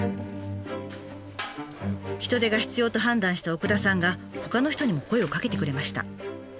人手が必要と判断した奥田さんがほかの人にも声をかけてくれました。